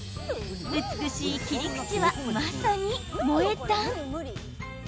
美しい切り口はまさに、萌え断。